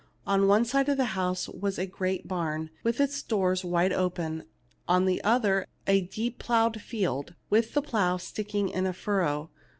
On one side of the house was the great barn, with its doors wide open ; on the other, a deep ploughed field, with the plough sticking in a furrow.